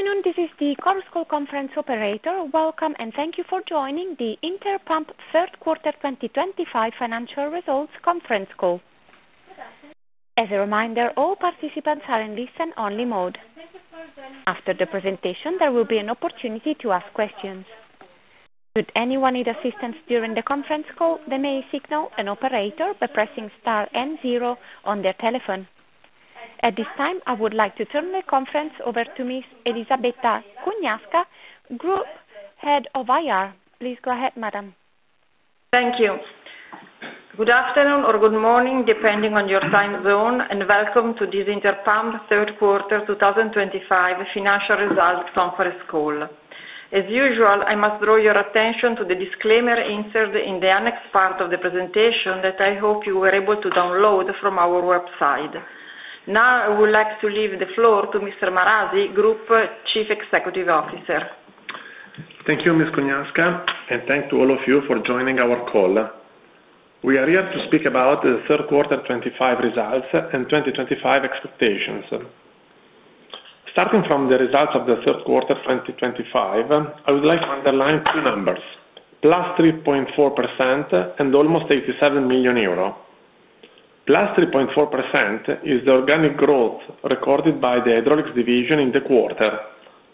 Afternoon, this is the CorusCall conference operator. Welcome and thank you for joining the Interpump Third Quarter 2025 Financial Results Conference Call. As a reminder, all participants are in listen-only mode. After the presentation, there will be an opportunity to ask questions. Should anyone need assistance during the conference call, they may signal an operator by pressing star and zero on their telephone. At this time, I would like to turn the conference over to Ms. Elisabetta Cugnasca, Group Head of IR. Please go ahead, Madam. Thank you. Good afternoon or good morning, depending on your time zone, and welcome to this Interpump Third Quarter 2025 Financial Results Conference Call. As usual, I must draw your attention to the disclaimer inserted in the annex part of the presentation that I hope you were able to download from our website. Now, I would like to leave the floor to Mr. Marasi, Group Chief Executive Officer. Thank you, Ms. Cugnasca, and thank you to all of you for joining our call. We are here to speak about the third quarter 2025 results and 2025 expectations. Starting from the results of the third quarter 2025, I would like to underline two numbers, plus 3.4% and almost 87 million euro. Plus 3.4% is the organic growth recorded by the Hydraulics Division in the quarter,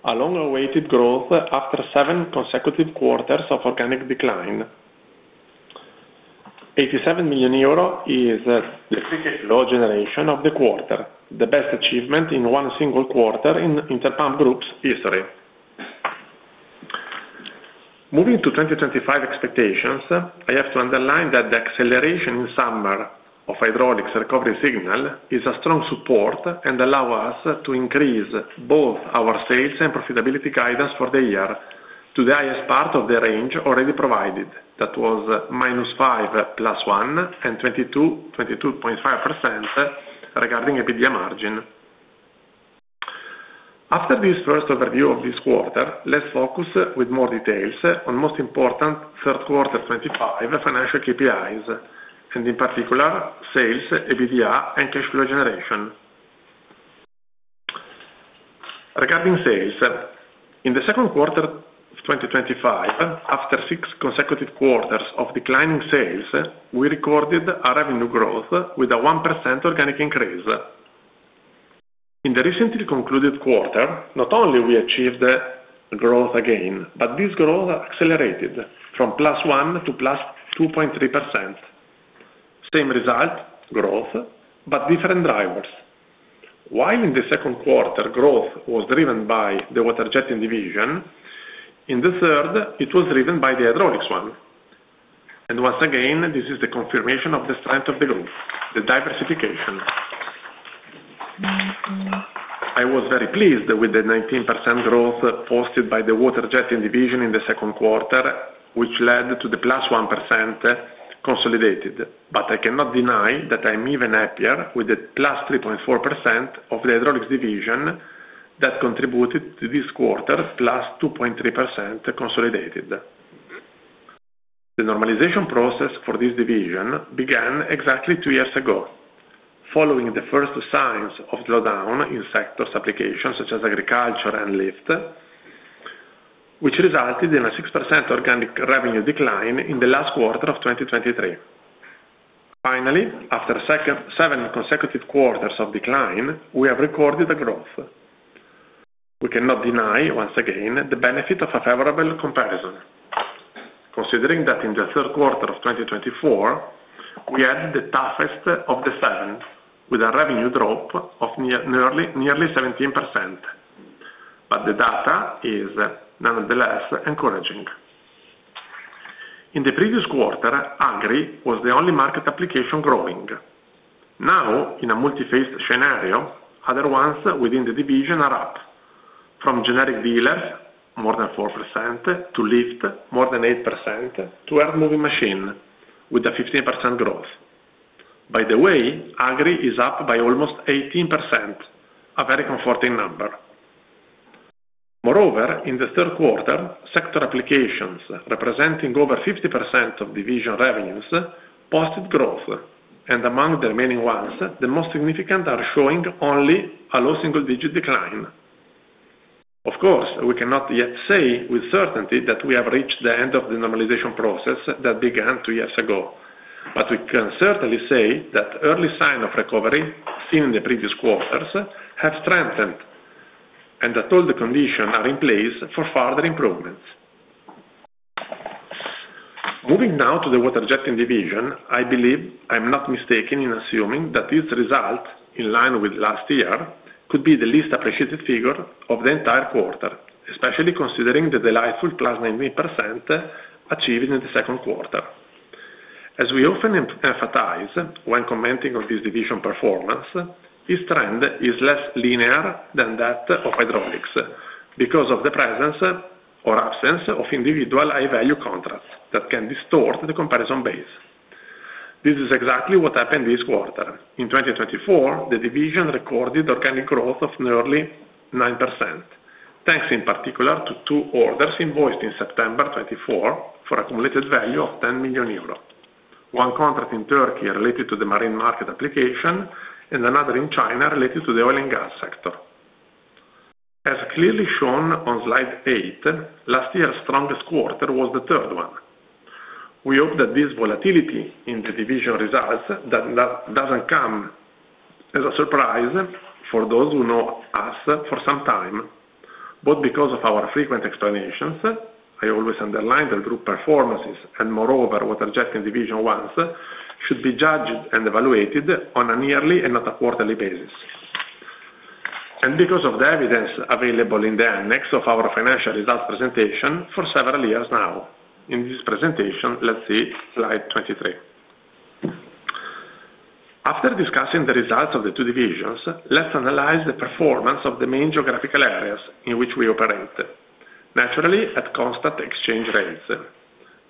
a long-awaited growth after seven consecutive quarters of organic decline. 87 million euro is the free cash flow generation of the quarter, the best achievement in one single quarter in Interpump Group's history. Moving to 2025 expectations, I have to underline that the acceleration in summer of hydraulics recovery signal is a strong support and allows us to increase both our sales and profitability guidance for the year to the highest part of the range already provided, that was minus five to plus one and 22.5% regarding EBITDA margin. After this first overview of this quarter, let's focus with more details on the most important third quarter 2025 financial KPIs, and in particular, sales, EBITDA, and cash flow generation. Regarding sales, in the second quarter of 2025, after six consecutive quarters of declining sales, we recorded a revenue growth with a 1% organic increase. In the recently concluded quarter, not only did we achieve growth again, but this growth accelerated from plus one to plus 2.3%. Same result, growth, but different drivers. While in the second quarter, growth was driven by the Water-Jetting Division, in the third, it was driven by the hydraulics one. Once again, this is the confirmation of the strength of the group, the diversification. I was very pleased with the 19% growth posted by the Water-Jetting Division in the second quarter, which led to the plus one percent consolidated, but I cannot deny that I'm even happier with the plus 3.4% of the Hydraulics Division that contributed to this quarter plus 2.3% consolidated. The normalization process for this division began exactly two years ago, following the first signs of the slowdown in sectors applications such as agriculture and lift, which resulted in a 6% organic revenue decline in the last quarter of 2023. Finally, after seven consecutive quarters of decline, we have recorded a growth. We cannot deny, once again, the benefit of a favorable comparison, considering that in the third quarter of 2024, we had the toughest of the seven, with a revenue drop of nearly 17%. The data is nonetheless encouraging. In the previous quarter, Agri was the only market application growing. Now, in a multi-phased scenario, other ones within the division are up, from generic dealers, more than 4%, to lift, more than 8%, to air moving machine, with a 15% growth. By the way, Agri is up by almost 18%, a very comforting number. Moreover, in the third quarter, sector applications representing over 50% of division revenues posted growth, and among the remaining ones, the most significant are showing only a low single-digit decline. Of course, we cannot yet say with certainty that we have reached the end of the normalization process that began two years ago, but we can certainly say that early signs of recovery seen in the previous quarters have strengthened, and that all the conditions are in place for further improvements. Moving now to the Water-Jetting Division, I believe I'm not mistaken in assuming that this result, in line with last year, could be the least appreciated figure of the entire quarter, especially considering the delightful plus 19% achieved in the second quarter. As we often emphasize when commenting on this division performance, this trend is less linear than that of hydraulics because of the presence or absence of individual high-value contracts that can distort the comparison base. This is exactly what happened this quarter. In 2024, the division recorded organic growth of nearly 9%, thanks in particular to two orders invoiced in September 2024 for an accumulated value of 10 million euro, one contract in Turkey related to the marine market application and another in China related to the oil and gas sector. As clearly shown on Slide 8, last year's strongest quarter was the third one. We hope that this volatility in the division results does not come as a surprise for those who know us for some time, but because of our frequent explanations, I always underline that group performances and, moreover, water jetting division ones should be judged and evaluated on a yearly and not a quarterly basis. Because of the evidence available in the annex of our financial results presentation for several years now. In this presentation, let's see Slide 23. After discussing the results of the two divisions, let's analyze the performance of the main geographical areas in which we operate, naturally at constant exchange rates.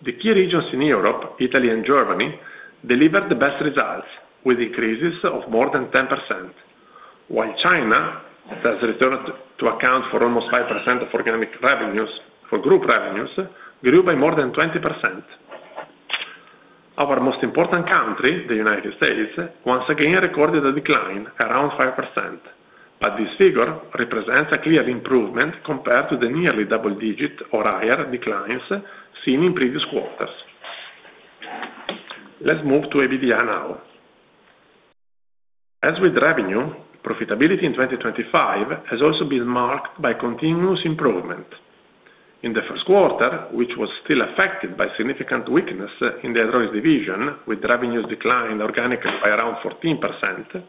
The key regions in Europe, Italy, and Germany delivered the best results with increases of more than 10%, while China, that has returned to account for almost 5% of organic revenues for group revenues, grew by more than 20%. Our most important country, the U.S., once again recorded a decline around 5%, but this figure represents a clear improvement compared to the nearly double-digit or higher declines seen in previous quarters. Let's move to EPDA now. As with revenue, profitability in 2025 has also been marked by continuous improvement. In the first quarter, which was still affected by significant weakness in the Hydraulics Division, with revenues declining organically by around 14%,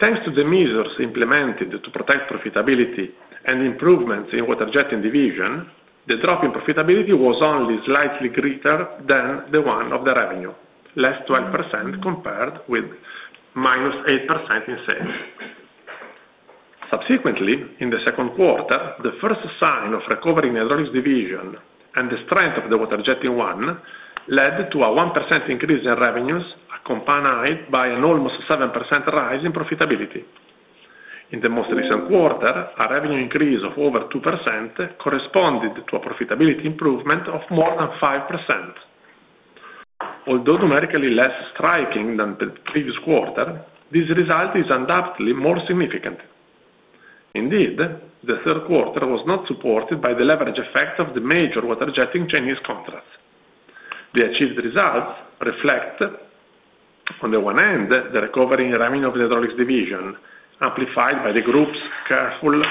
thanks to the measures implemented to protect profitability and improvements in the Water-Jetting Division, the drop in profitability was only slightly greater than the one of the revenue, less 12% compared with minus 8% in sales. Subsequently, in the second quarter, the first sign of recovery in the Hydraulics Division and the strength of the water jetting one led to a 1% increase in revenues accompanied by an almost 7% rise in profitability. In the most recent quarter, a revenue increase of over 2% corresponded to a profitability improvement of more than 5%. Although numerically less striking than the previous quarter, this result is undoubtedly more significant. Indeed, the third quarter was not supported by the leverage effect of the major water jetting Chinese contracts. The achieved results reflect, on the one hand, the recovery in revenue of the Hydraulics Division, amplified by the group's careful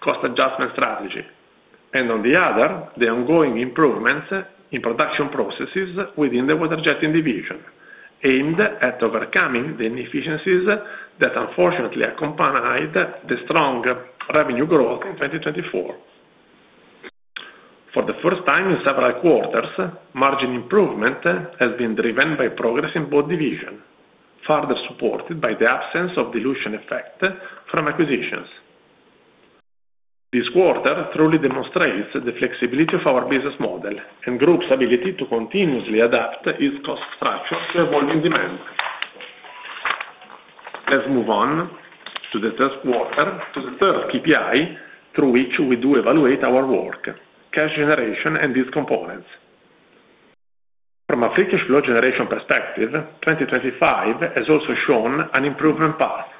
cost adjustment strategy, and on the other, the ongoing improvements in production processes within the Water-Jetting Division, aimed at overcoming the inefficiencies that unfortunately accompanied the strong revenue growth in 2024. For the first time in several quarters, margin improvement has been driven by progress in both divisions, further supported by the absence of dilution effect from acquisitions. This quarter truly demonstrates the flexibility of our business model and group's ability to continuously adapt its cost structure to evolving demand. Let's move on to the third quarter, to the third KPI through which we do evaluate our work, cash generation and these components. From a free cash flow generation perspective, 2025 has also shown an improvement path.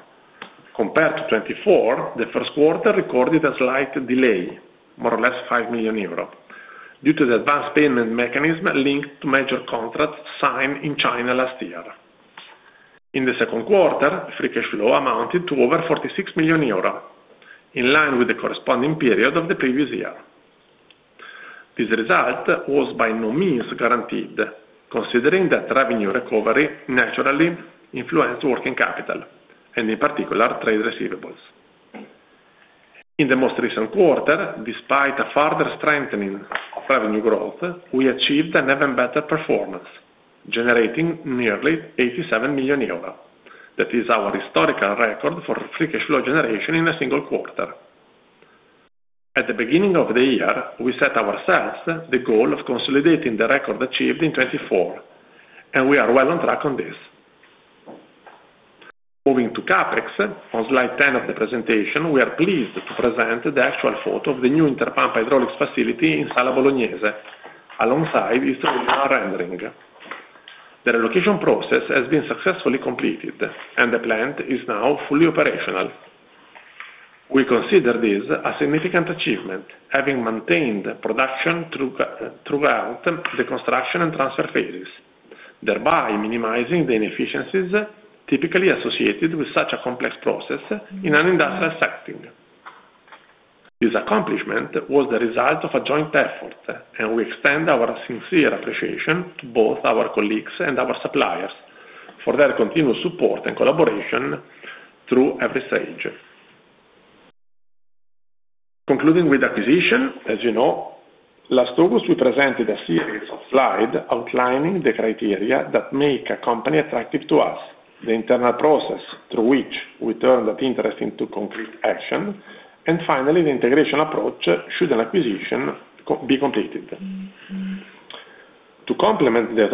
Compared to 2024, the first quarter recorded a slight delay, more or less 5 million euros, due to the advanced payment mechanism linked to major contracts signed in China last year. In the second quarter, free cash flow amounted to over 46 million euro, in line with the corresponding period of the previous year. This result was by no means guaranteed, considering that revenue recovery naturally influenced working capital, and in particular, trade receivables. In the most recent quarter, despite a further strengthening of revenue growth, we achieved an even better performance, generating nearly 87 million euros. That is our historical record for free cash flow generation in a single quarter. At the beginning of the year, we set ourselves the goal of consolidating the record achieved in 2024, and we are well on track on this. Moving to CapEx, on Slide 10 of the presentation, we are pleased to present the actual photo of the new Interpump Hydraulics facility in Sala Bolognese, alongside its original rendering. The relocation process has been successfully completed, and the plant is now fully operational. We consider this a significant achievement, having maintained production throughout the construction and transfer phases, thereby minimizing the inefficiencies typically associated with such a complex process in an industrial setting. This accomplishment was the result of a joint effort, and we extend our sincere appreciation to both our colleagues and our suppliers for their continuous support and collaboration through every stage. Concluding with acquisition, as you know, last August we presented a series of slides outlining the criteria that make a company attractive to us, the internal process through which we turn that interest into concrete action, and finally, the integration approach should an acquisition be completed. To complement the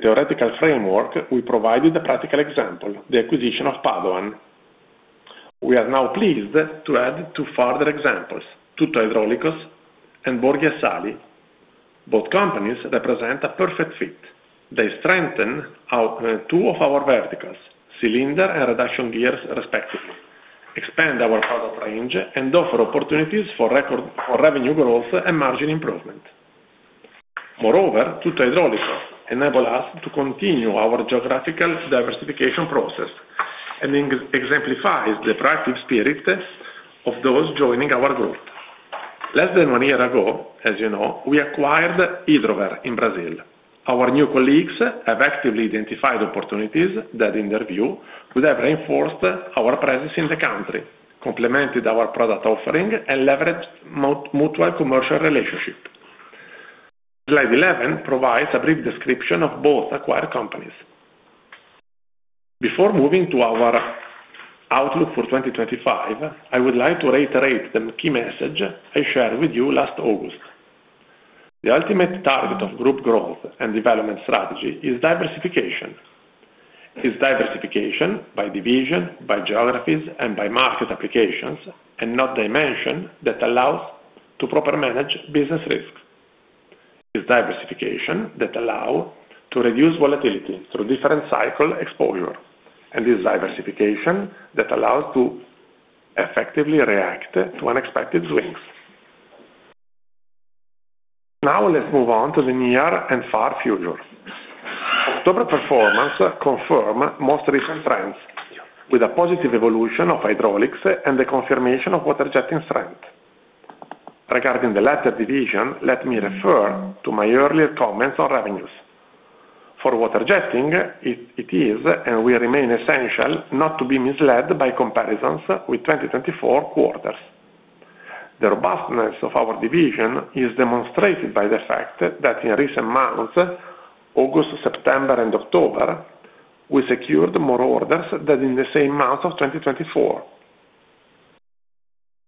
theoretical framework, we provided a practical example, the acquisition of Padoan. We are now pleased to add two further examples, Tuttoidraulica and Borghi Assali. Both companies represent a perfect fit. They strengthen two of our verticals, cylinder and reduction gears, respectively, expand our product range, and offer opportunities for revenue growth and margin improvement. Moreover, Tuttoidraulica enables us to continue our geographical diversification process and exemplifies the proactive spirit of those joining our group. Less than one year ago, as you know, we acquired Hidrover in Brazil. Our new colleagues have actively identified opportunities that, in their view, would have reinforced our presence in the country, complemented our product offering, and leveraged mutual commercial relationships. Slide 11 provides a brief description of both acquired companies. Before moving to our outlook for 2025, I would like to reiterate the key message I shared with you last August. The ultimate target of group growth and development strategy is diversification. It is diversification by division, by geographies, and by market applications, and not dimension that allows to properly manage business risks. It is diversification that allows to reduce volatility through different cycle exposure, and it is diversification that allows to effectively react to unexpected swings. Now, let's move on to the near and far future. October performance confirmed most recent trends with a positive evolution of Hydraulics and the confirmation of Water-Jetting strength. Regarding the latter division, let me refer to my earlier comments on revenues. For Water-Jetting, it is and will remain essential not to be misled by comparisons with 2024 quarters. The robustness of our division is demonstrated by the fact that in recent months, August, September, and October, we secured more orders than in the same month of 2024.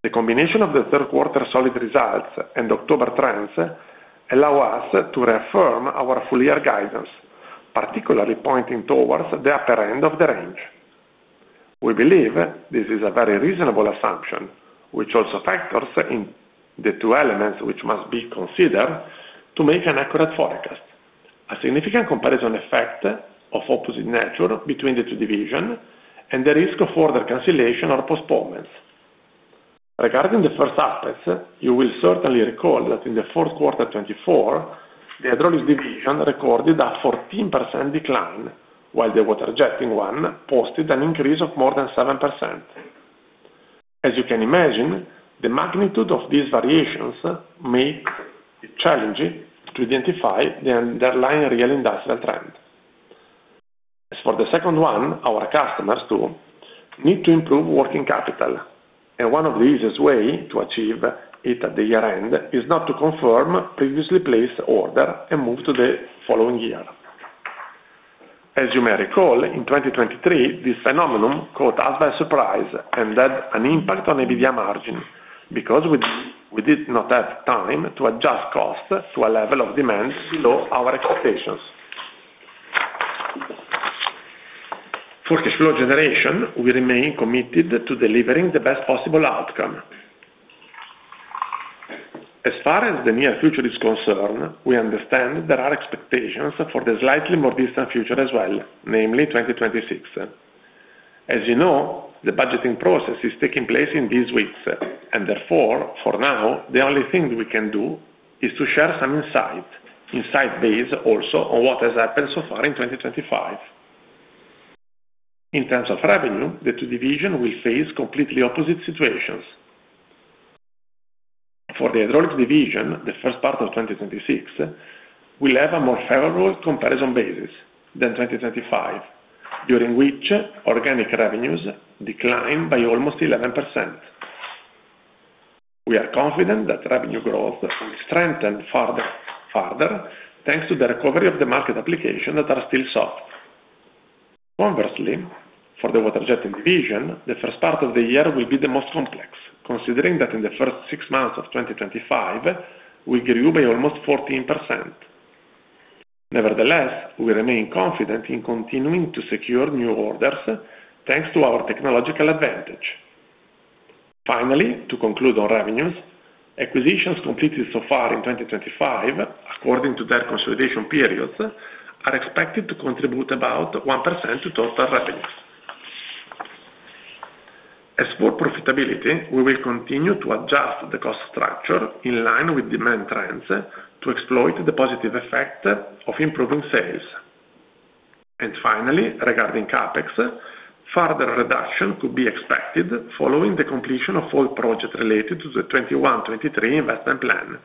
The combination of the third quarter solid results and October trends allows us to reaffirm our full-year guidance, particularly pointing towards the upper end of the range. We believe this is a very reasonable assumption, which also factors in the two elements which must be considered to make an accurate forecast: a significant comparison effect of opposite nature between the two divisions and the risk of further cancellation or postponements. Regarding the first aspect, you will certainly recall that in the fourth quarter 2024, the Hydraulics Division recorded a 14% decline, while the Water-Jetting one posted an increase of more than 7%. As you can imagine, the magnitude of these variations makes it challenging to identify the underlying real industrial trend. As for the second one, our customers too need to improve working capital, and one of the easiest ways to achieve it at the year-end is not to confirm previously placed orders and move to the following year. As you may recall, in 2023, this phenomenon caught us by surprise and had an impact on EBITDA margin because we did not have time to adjust costs to a level of demand below our expectations. For cash flow generation, we remain committed to delivering the best possible outcome. As far as the near future is concerned, we understand there are expectations for the slightly more distant future as well, namely 2026. As you know, the budgeting process is taking place in these weeks, and therefore, for now, the only thing we can do is to share some insight, insight based also on what has happened so far in 2025. In terms of revenue, the two divisions will face completely opposite situations. For the Hydraulics Division, the first part of 2026 will have a more favorable comparison basis than 2025, during which organic revenues declined by almost 11%. We are confident that revenue growth will strengthen further thanks to the recovery of the market applications that are still soft. Conversely, for the Water-Jetting Division, the first part of the year will be the most complex, considering that in the first six months of 2025, we grew by almost 14%. Nevertheless, we remain confident in continuing to secure new orders thanks to our technological advantage. Finally, to conclude on revenues, acquisitions completed so far in 2025, according to their consolidation periods, are expected to contribute about 1% to total revenues. As for profitability, we will continue to adjust the cost structure in line with demand trends to exploit the positive effect of improving sales. Finally, regarding CapEx, further reduction could be expected following the completion of all projects related to the 2021-2023 investment plan,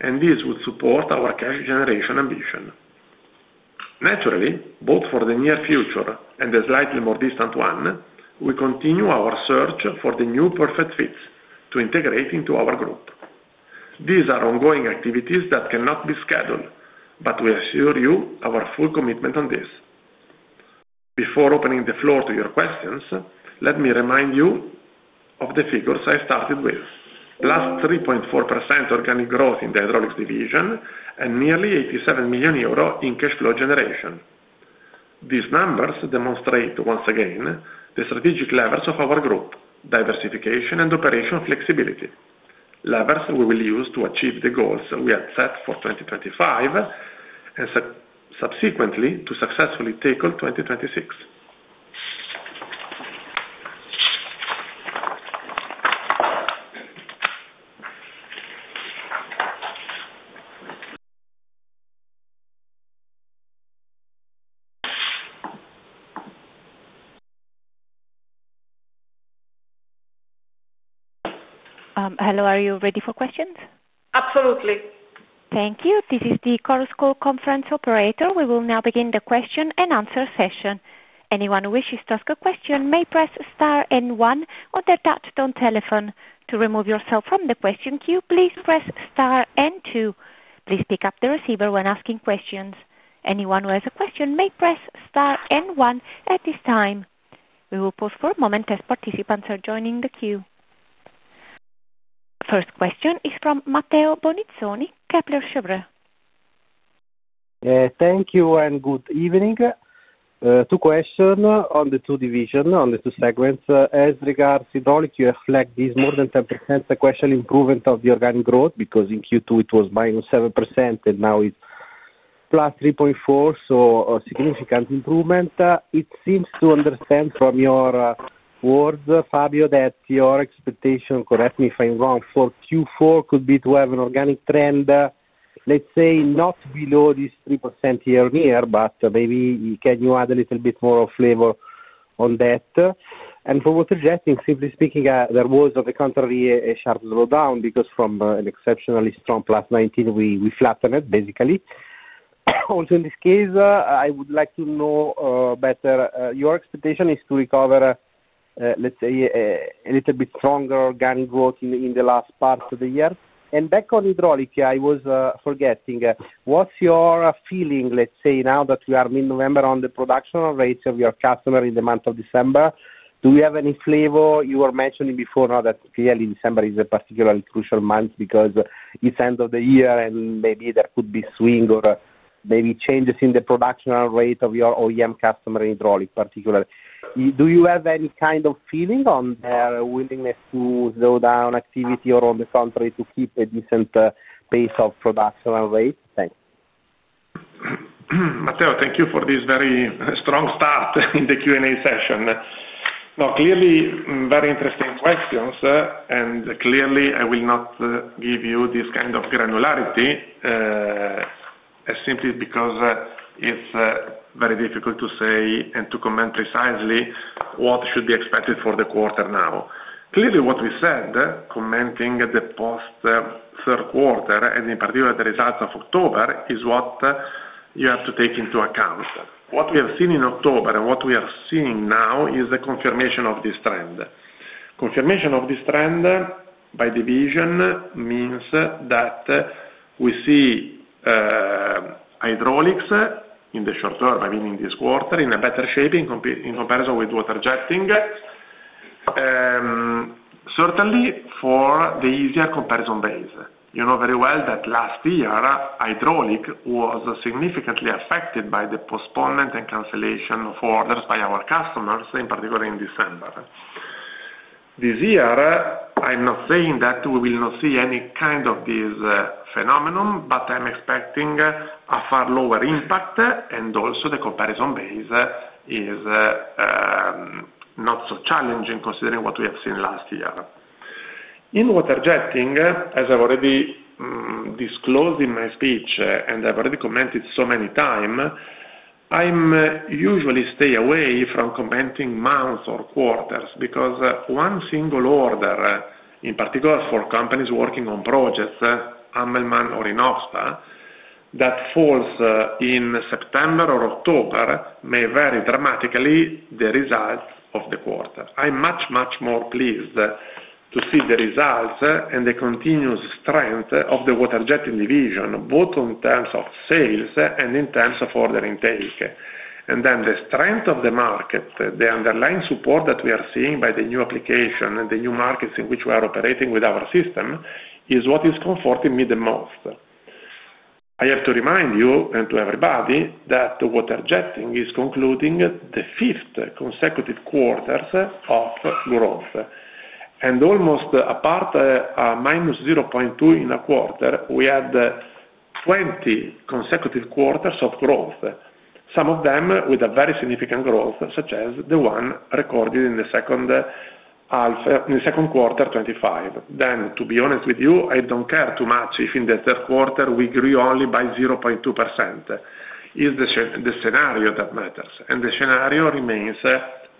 and this would support our cash generation ambition. Naturally, both for the near future and the slightly more distant one, we continue our search for the new perfect fits to integrate into our group. These are ongoing activities that cannot be scheduled, but we assure you our full commitment on this. Before opening the floor to your questions, let me remind you of the figures I started with, plus 3.4% organic growth in the Hydraulics Division and nearly 87 million euros in cash flow generation. These numbers demonstrate once again the strategic levers of our group, diversification and operational flexibility, levers we will use to achieve the goals we had set for 2025 and subsequently to successfully tackle 2026. Hello, are you ready for questions? Absolutely. Thank you. This is the CorusCall conference operator. We will now begin the question-and-answer session. Anyone who wishes to ask a question may press star and one on their touchstone telephone. To remove yourself from the question queue, please press star and two. Please pick up the receiver when asking questions. Anyone who has a question may press star and one at this time. We will pause for a moment as participants are joining the queue. First question is from Matteo Bonizzoni, Kepler Cheuvreux. Thank you and good evening. Two questions on the two divisions, on the two segments. As regards Hydraulics, you have flagged this more than 10% question improvement of the organic growth because in Q2 it was minus 7% and now it is plus 3.4%, so a significant improvement. It seems to understand from your words, Fabio, that your expectation, correct me if I am wrong, for Q4 could be to have an organic trend, let's say, not below this 3% year-on-year, but maybe can you add a little bit more flavor on that? For Water-Jetting, simply speaking, there was, on the contrary, a sharp slowdown because from an exceptionally strong plus 19, we flattened it basically. Also, in this case, I would like to know better, your expectation is to recover, let's say, a little bit stronger organic growth in the last part of the year? Back on Hydraulics, I was forgetting, what's your feeling, let's say, now that we are mid-November on the production rates of your customers in the month of December? Do we have any flavor? You were mentioning before that clearly December is a particularly crucial month because it's the end of the year and maybe there could be swings or maybe changes in the production rate of your OEM customers in hydraulics, particularly. Do you have any kind of feeling on their willingness to slow down activity or, on the contrary, to keep a decent pace of production rates? Thanks. Matteo, thank you for this very strong start in the Q&A session. Clearly, very interesting questions, and clearly, I will not give you this kind of granularity simply because it is very difficult to say and to comment precisely what should be expected for the quarter now. Clearly, what we said, commenting at the post-third quarter and in particular the results of October, is what you have to take into account. What we have seen in October and what we are seeing now is a confirmation of this trend. Confirmation of this trend by division means that we see Hydraulics in the short term, I mean in this quarter, in a better shape in comparison with Water-Jetting, certainly for the easier comparison base. You know very well that last year, Hydraulics was significantly affected by the postponement and cancellation of orders by our customers, in particular in December. This year, I'm not saying that we will not see any kind of this phenomenon, but I'm expecting a far lower impact, and also the comparison base is not so challenging considering what we have seen last year. In Water-Jetting, as I've already disclosed in my speech and I've already commented so many times, I usually stay away from commenting months or quarters because one single order, in particular for companies working on projects, Hammelmann or Inosta, that falls in September or October may vary dramatically the results of the quarter. I'm much, much more pleased to see the results and the continuous strength of the Water-Jetting Division, both in terms of sales and in terms of order intake. The strength of the market, the underlying support that we are seeing by the new application and the new markets in which we are operating with our system, is what is comforting me the most. I have to remind you and everybody that water jetting is concluding the fifth consecutive quarter of growth. Almost apart from minus 0.2 in a quarter, we had 20 consecutive quarters of growth, some of them with very significant growth, such as the one recorded in the second quarter, 2025. To be honest with you, I do not care too much if in the third quarter we grew only by 0.2%. It is the scenario that matters, and the scenario remains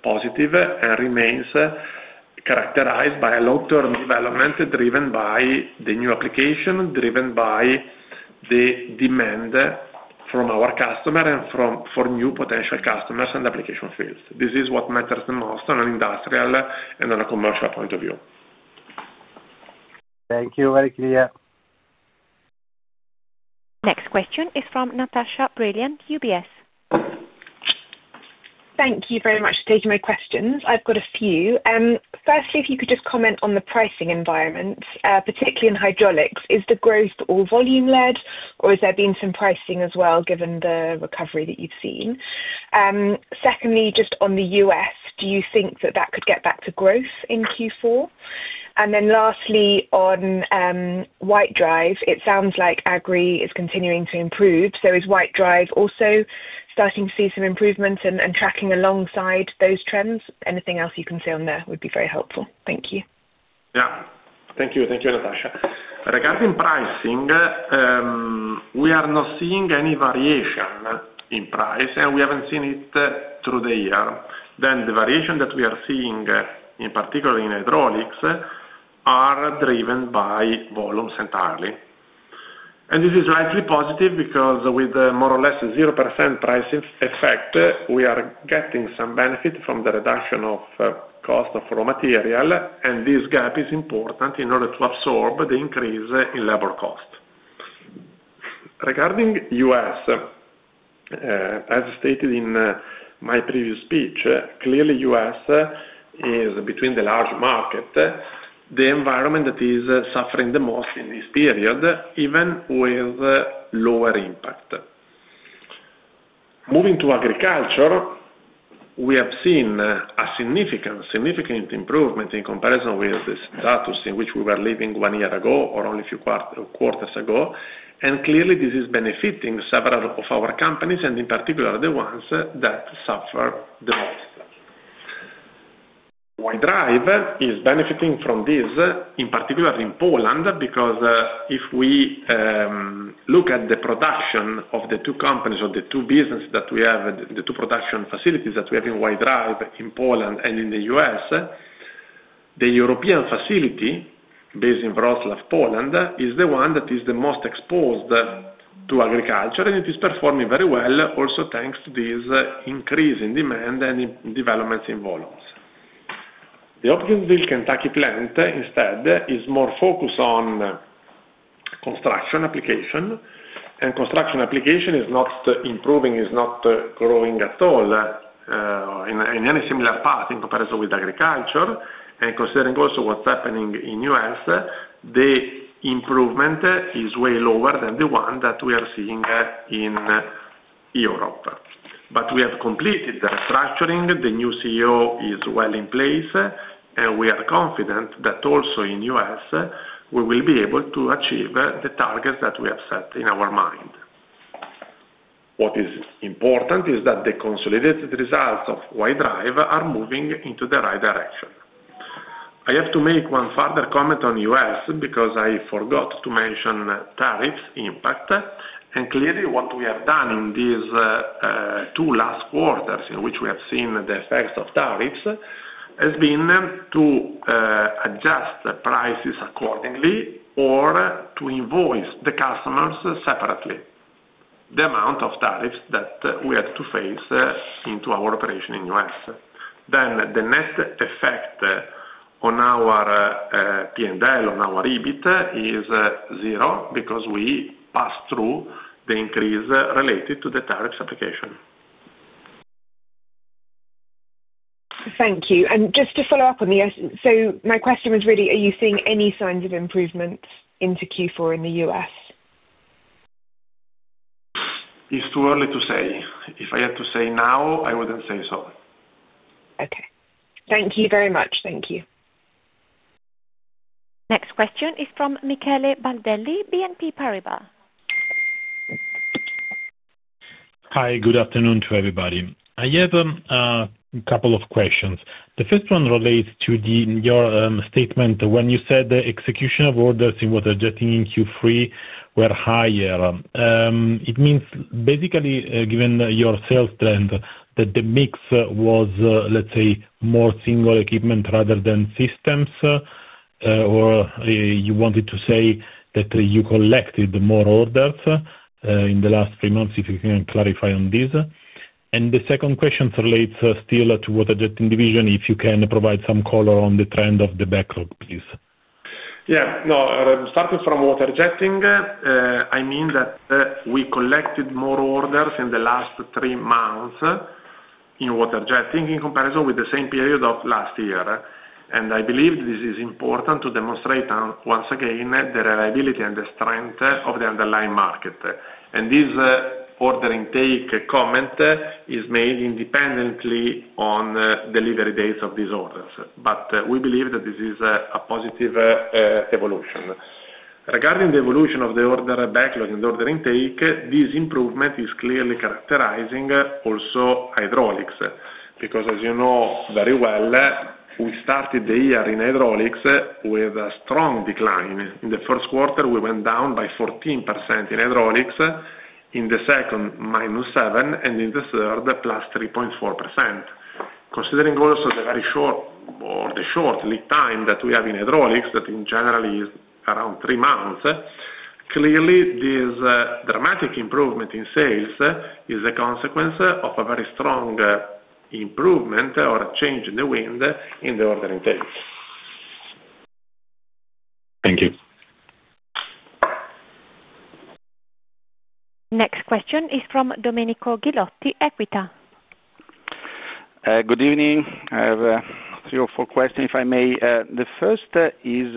positive and remains characterized by a long-term development driven by the new application, driven by the demand from our customers and for new potential customers and application fields. This is what matters the most on an industrial and on a commercial point of view. Thank you. Very clear. Next question is from Natasha Brilliant, UBS. Thank you very much for taking my questions. I've got a few. Firstly, if you could just comment on the pricing environment, particularly in Hydraulics. Is the growth all volume-led, or has there been some pricing as well given the recovery that you've seen? Secondly, just on the U.S., do you think that that could get back to growth in Q4? Lastly, on White Drive, it sounds like Agri is continuing to improve. Is White Drive also starting to see some improvements and tracking alongside those trends? Anything else you can say on there would be very helpful. Thank you. Yeah. Thank you. Thank you, Natasha. Regarding pricing, we are not seeing any variation in price, and we have not seen it through the year. The variation that we are seeing, in particular in Hydraulics, is driven by volumes entirely. This is likely positive because with more or less 0% pricing effect, we are getting some benefit from the reduction of cost of raw material, and this gap is important in order to absorb the increase in labor cost. Regarding the U.S., as stated in my previous speech, clearly the U.S. is, between the large markets, the environment that is suffering the most in this period, even with lower impact. Moving to agriculture, we have seen a significant improvement in comparison with the status in which we were living one year ago or only a few quarters ago, and clearly this is benefiting several of our companies and in particular the ones that suffer the most. White Drive is benefiting from this, in particular in Poland, because if we look at the production of the two companies or the two businesses that we have, the two production facilities that we have in White Drive in Poland and in the U.S., the European facility based in Wrocław, Poland, is the one that is the most exposed to agriculture, and it is performing very well also thanks to this increase in demand and developments in volumes. The Optium Zyl Kentucky plant, instead, is more focused on construction application, and construction application is not improving, is not growing at all in any similar part in comparison with agriculture. Considering also what is happening in the U.S., the improvement is way lower than the one that we are seeing in Europe. We have completed the restructuring, the new CEO is well in place, and we are confident that also in the U.S., we will be able to achieve the targets that we have set in our mind. What is important is that the consolidated results of White Drive are moving into the right direction. I have to make one further comment on the U.S. because I forgot to mention tariffs' impact. What we have done in these two last quarters in which we have seen the effects of tariffs has been to adjust prices accordingly or to invoice the customers separately. The amount of tariffs that we had to face into our operation in the U.S. The net effect on our P&L, on our EBITDA, is zero because we passed through the increase related to the tariffs application. Thank you. Just to follow up on the U.S., my question was really, are you seeing any signs of improvement into Q4 in the U.S.? It's too early to say. If I had to say now, I wouldn't say so. Okay. Thank you very much. Thank you. Next question is from Michele Baldelli, BNP Paribas. Hi. Good afternoon to everybody. I have a couple of questions. The first one relates to your statement when you said the execution of orders in Water-Jetting in Q3 were higher. It means basically, given your sales trend, that the mix was, let's say, more single equipment rather than systems, or you wanted to say that you collected more orders in the last three months, if you can clarify on this. The second question relates still to Water-Jetting Division, if you can provide some color on the trend of the backlog, please. Yeah. No, starting from Water-Jetting, I mean that we collected more orders in the last three months in Water-Jetting in comparison with the same period of last year. I believe this is important to demonstrate once again the reliability and the strength of the underlying market. This order intake comment is made independently on delivery dates of these orders. We believe that this is a positive evolution. Regarding the evolution of the order backlog and the order intake, this improvement is clearly characterizing also Hydraulics because, as you know very well, we started the year in Hydraulics with a strong decline. In the first quarter, we went down by 14% in Hydraulics, in the second, minus 7%, and in the third, plus 3.4%. Considering also the very short lead time that we have in Hydraulics, that in general is around three months, clearly this dramatic improvement in sales is a consequence of a very strong improvement or a change in the wind in the order intake. Thank you. Next question is from Domenico Ghilotti, Equita. Good evening. I have three or four questions, if I may. The first is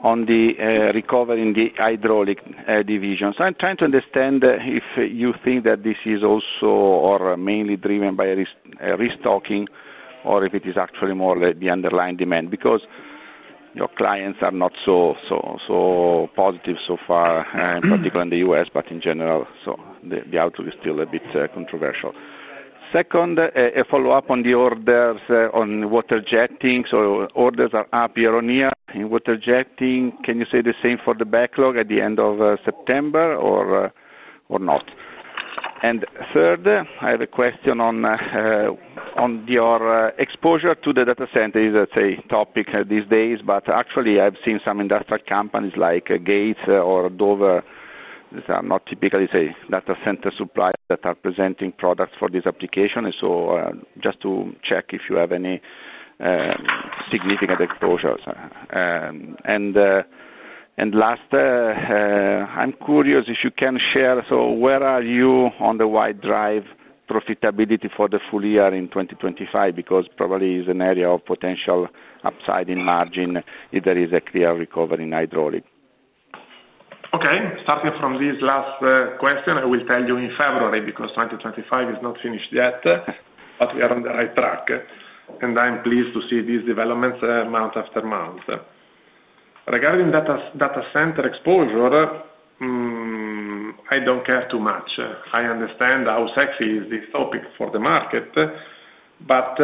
on the recovery in the Hydraulic Division. I am trying to understand if you think that this is also or mainly driven by restocking or if it is actually more the underlying demand because your clients are not so positive so far, in particular in the U.S., but in general. The outlook is still a bit controversial. Second, a follow-up on the orders on Water-Jetting. Orders are up year-on-year in water jetting. Can you say the same for the backlog at the end of September or not? Third, I have a question on your exposure to the data centers. It is a topic these days, but actually, I have seen some industrial companies like Gates or Dover that are not typically data center suppliers that are presenting products for this application. Just to check if you have any significant exposures. Last, I'm curious if you can share, so where are you on the White Drive profitability for the full year in 2025 because probably it's an area of potential upside in margin if there is a clear recovery in Hydraulic? Okay. Starting from this last question, I will tell you in February because 2025 is not finished yet, but we are on the right track. I am pleased to see these developments month after month. Regarding data center exposure, I do not care too much. I understand how sexy is this topic for the market, but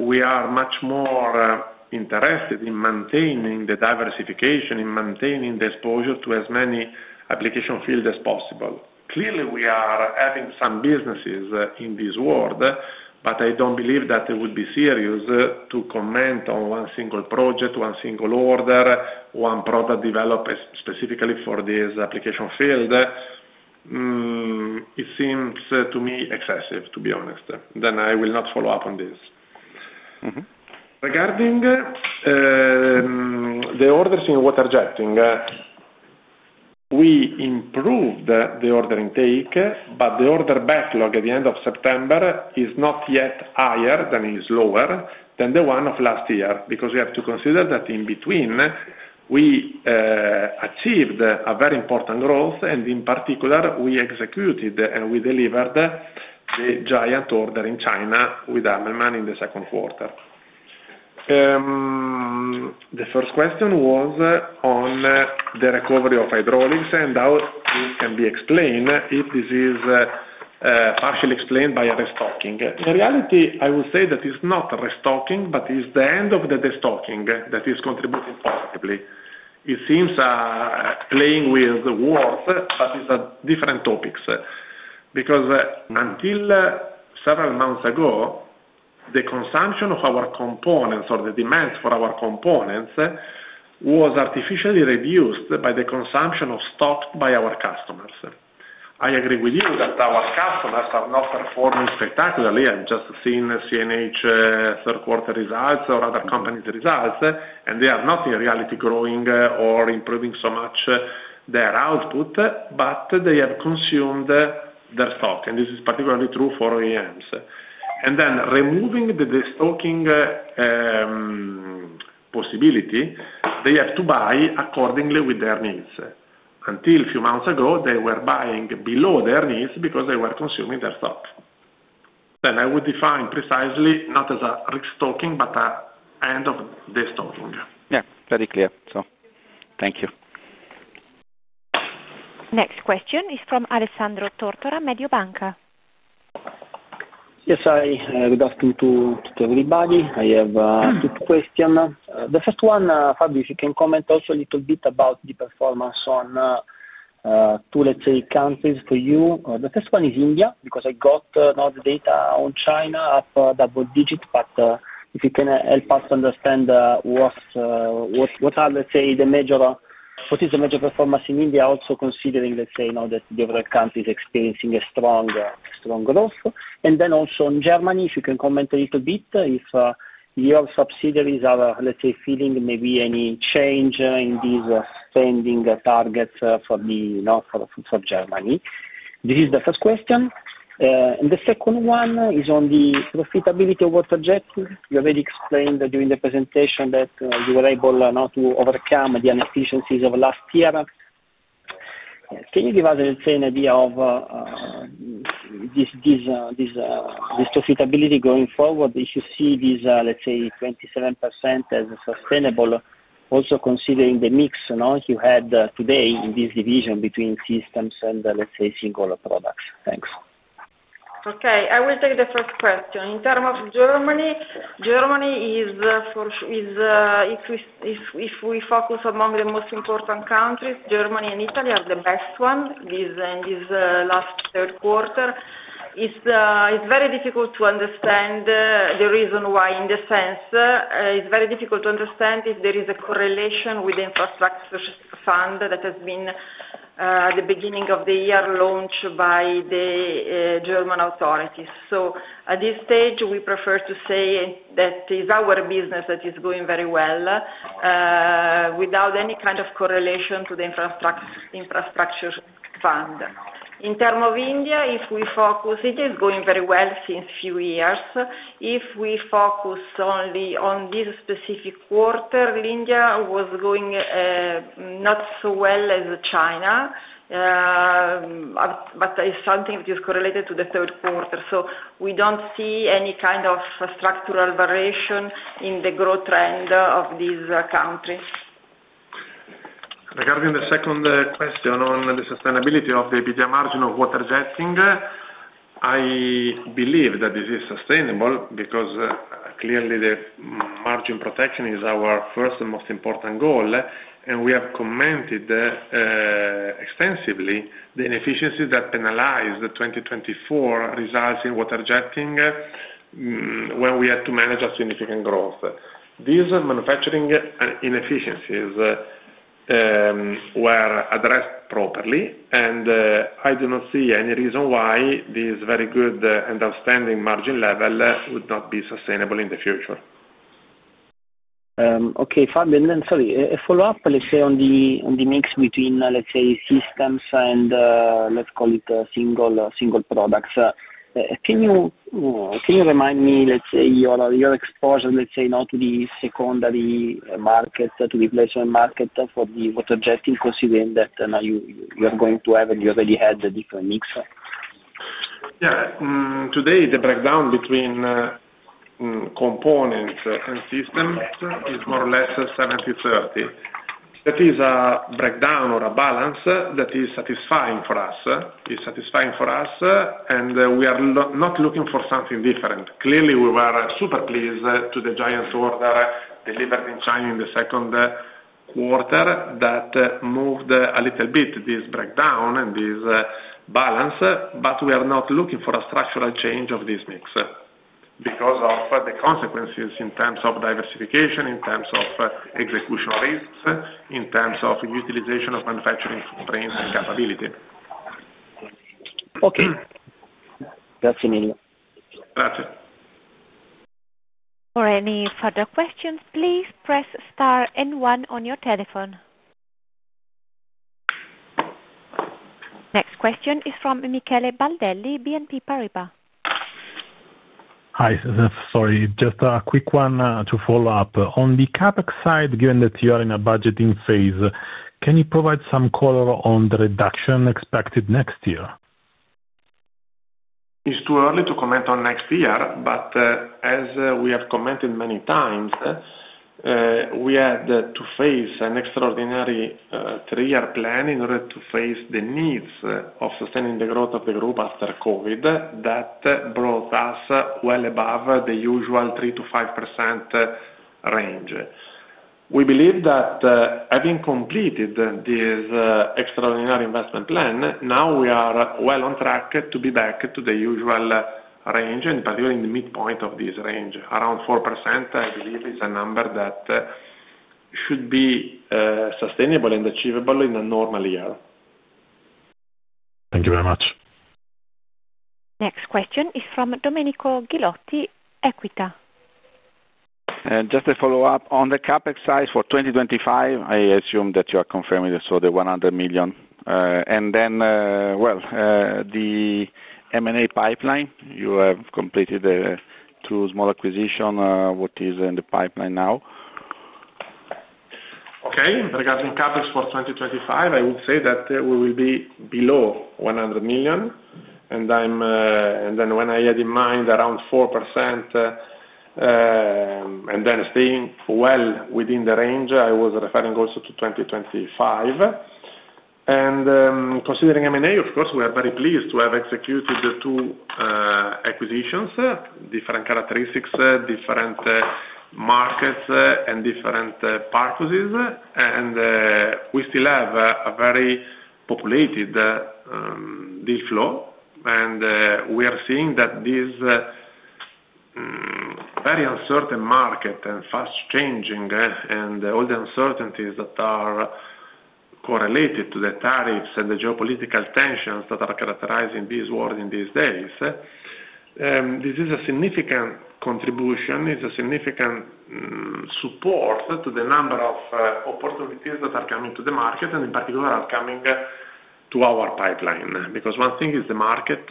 we are much more interested in maintaining the diversification, in maintaining the exposure to as many application fields as possible. Clearly, we are having some businesses in this world, but I do not believe that it would be serious to comment on one single project, one single order, one product developed specifically for this application field. It seems to me excessive, to be honest. I will not follow up on this. Regarding the orders in Water-Jetting, we improved the order intake, but the order backlog at the end of September is not yet higher; it is lower than the one of last year because we have to consider that in between we achieved a very important growth, and in particular, we executed and we delivered the giant order in China with Hammelmann in the second quarter. The first question was on the recovery of Hydraulics and how this can be explained, if this is partially explained by restocking. In reality, I would say that it's not restocking, but it's the end of the destocking that is contributing positively. It seems playing with words, but it's a different topic because until several months ago, the consumption of our components or the demand for our components was artificially reduced by the consumption of stock by our customers. I agree with you that our customers are not performing spectacularly. I've just seen CNH third quarter results or other companies' results, and they are not in reality growing or improving so much their output, but they have consumed their stock. This is particularly true for OEMs. Removing the destocking possibility, they have to buy accordingly with their needs. Until a few months ago, they were buying below their needs because they were consuming their stock. I would define precisely not as a restocking, but an end of destocking. Yeah. Very clear. Thank you. Next question is from Alessandro Tortora, Mediobanca. Yes. I would like to tell everybody I have two questions. The first one, Fabio, if you can comment also a little bit about the performance on two, let's say, countries for you. The first one is India because I got all the data on China up double digits, but if you can help us understand what are, let's say, the major, what is the major performance in India, also considering, let's say, now that the other countries are experiencing a strong growth. Also in Germany, if you can comment a little bit if your subsidiaries are, let's say, feeling maybe any change in these spending targets for Germany. This is the first question. The second one is on the profitability of Water-Jetting. You already explained during the presentation that you were able to overcome the inefficiencies of last year. Can you give us, let's say, an idea of this profitability going forward if you see these, let's say, 27% as sustainable, also considering the mix you had today in this division between systems and, let's say, single products? Thanks. Okay. I will take the first question. In terms of Germany, Germany is, if we focus among the most important countries, Germany and Italy are the best ones in this last third quarter. It is very difficult to understand the reason why, in the sense, it is very difficult to understand if there is a correlation with the infrastructure fund that has been at the beginning of the year launched by the German authorities. At this stage, we prefer to say that it is our business that is going very well without any kind of correlation to the infrastructure fund. In terms of India, if we focus, it is going very well since a few years. If we focus only on this specific quarter, India was going not so well as China, but it is something which is correlated to the third quarter. We don't see any kind of structural variation in the growth trend of these countries. Regarding the second question on the sustainability of the EBITDA margin of Water-Jetting, I believe that this is sustainable because clearly the margin protection is our first and most important goal. We have commented extensively on the inefficiencies that penalized the 2024 results in Water-Jetting when we had to manage a significant growth. These manufacturing inefficiencies were addressed properly, and I do not see any reason why this very good and outstanding margin level would not be sustainable in the future. Okay. Fabio, and then sorry, a follow-up, let's say, on the mix between, let's say, systems and let's call it single products. Can you remind me, let's say, your exposure, let's say, now to the secondary market, to the place of market for the Water-Jetting, considering that you are going to have and you already had a different mix? Yeah. Today, the breakdown between components and systems is more or less 70/30. That is a breakdown or a balance that is satisfying for us. It's satisfying for us, and we are not looking for something different. Clearly, we were super pleased with the giant order delivered in China in the second quarter that moved a little bit this breakdown and this balance, but we are not looking for a structural change of this mix because of the consequences in terms of diversification, in terms of execution risks, in terms of utilization of manufacturing footprint and capability. Okay. Thanks, mille. Grazie. For any further questions, please press star and one on your telephone. Next question is from Michele Baldelli, BNP Paribas. Hi. Sorry. Just a quick one to follow up. On the CapEx side, given that you are in a budgeting phase, can you provide some color on the reduction expected next year? It's too early to comment on next year, but as we have commented many times, we had to face an extraordinary three-year plan in order to face the needs of sustaining the growth of the group after COVID that brought us well above the usual 3%-5% range. We believe that having completed this extraordinary investment plan, now we are well on track to be back to the usual range, and particularly in the midpoint of this range. Around 4%, I believe, is a number that should be sustainable and achievable in a normal year. Thank you very much. Next question is from Domenico Ghilotti, Equita. Just a follow-up on the CapEx size for 2025. I assume that you are confirming also the 100 million. And then, the M&A pipeline, you have completed two small acquisitions. What is in the pipeline now? Okay. Regarding CapEx for 2025, I would say that we will be below 100 million. When I had in mind around 4% and staying well within the range, I was referring also to 2025. Considering M&A, of course, we are very pleased to have executed the two acquisitions, different characteristics, different markets, and different purposes. We still have a very populated deal flow. We are seeing that this very uncertain market and fast-changing and all the uncertainties that are correlated to the tariffs and the geopolitical tensions that are characterizing this world in these days, this is a significant contribution. It is a significant support to the number of opportunities that are coming to the market and, in particular, are coming to our pipeline. Because one thing is the market.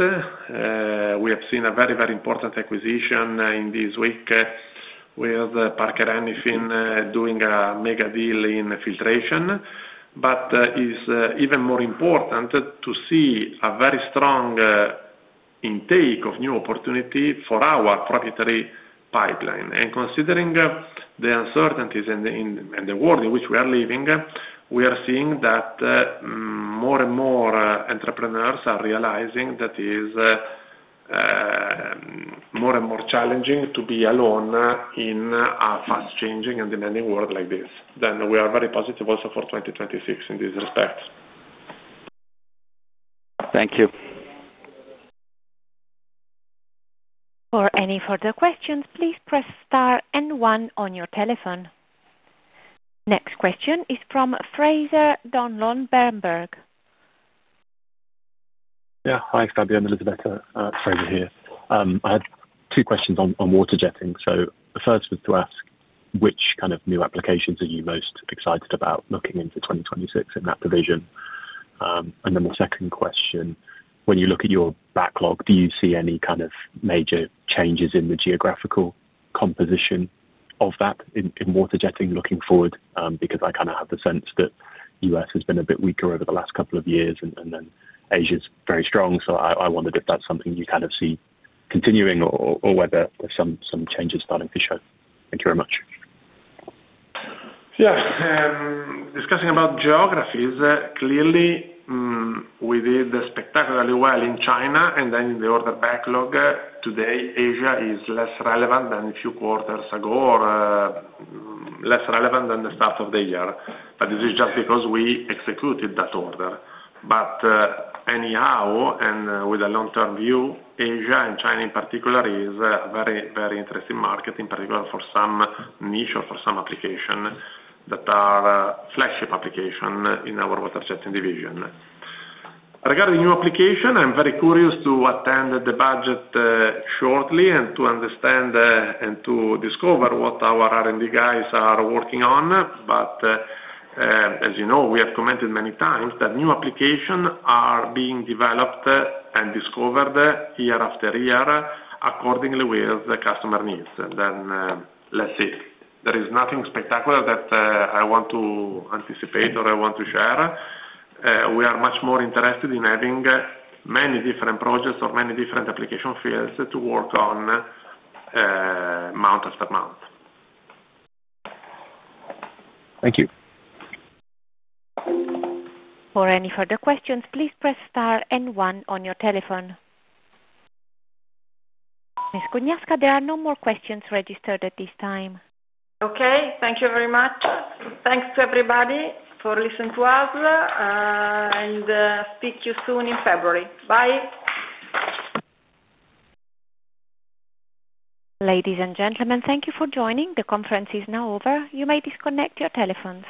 We have seen a very, very important acquisition in this week with Parker Hannifin doing a mega deal in filtration. It is even more important to see a very strong intake of new opportunity for our proprietary pipeline. Considering the uncertainties and the world in which we are living, we are seeing that more and more entrepreneurs are realizing that it is more and more challenging to be alone in a fast-changing and demanding world like this. We are very positive also for 2026 in this respect. Thank you. For any further questions, please press star and one on your telephone. Next question is from Fraser Dunlon Berenberg. Yeah. Hi, Fabio and Elisabetta. Fraser here. I had two questions on water jetting. The first was to ask which kind of new applications are you most excited about looking into 2026 in that division? The second question, when you look at your backlog, do you see any kind of major changes in the geographical composition of that in Water-Jetting looking forward? Because I kind of have the sense that the U.S. has been a bit weaker over the last couple of years, and then Asia is very strong. I wondered if that is something you kind of see continuing or whether there are some changes starting to show. Thank you very much. Yeah. Discussing about geographies, clearly, we did spectacularly well in China. In the order backlog, today, Asia is less relevant than a few quarters ago or less relevant than the start of the year. This is just because we executed that order. Anyhow, with a long-term view, Asia and China in particular is a very, very interesting market, in particular for some niche or for some application that are flagship applications in our Water-Jetting Division. Regarding new application, I'm very curious to attend the budget shortly and to understand and to discover what our R&D guys are working on. As you know, we have commented many times that new applications are being developed and discovered year after year accordingly with the customer needs. Let's see. There is nothing spectacular that I want to anticipate or I want to share. We are much more interested in having many different projects or many different application fields to work on month after month. Thank you. For any further questions, please press star and one on your telephone. Ms. Cugnasca, there are no more questions registered at this time. Okay. Thank you very much. Thanks to everybody for listening to us. Speak to you soon in February. Bye. Ladies and gentlemen, thank you for joining. The conference is now over. You may disconnect your telephones.